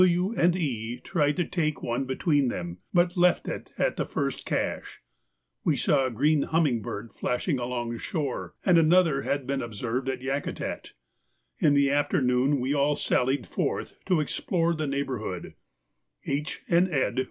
W. and E. tried to take one between them, but left it at the first cache. We saw a green humming bird flashing along the shore, and another had been observed at Yakutat. In the afternoon we all sallied forth to explore the neighbourhood; H. and Ed.